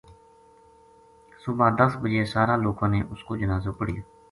صبح دس بجے سارا لوکاں نے اس کو جنازو پڑھیو